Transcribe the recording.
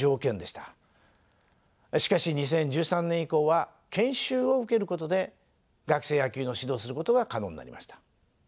しかし２０１３年以降は研修を受けることで学生野球の指導をすることが可能になりました。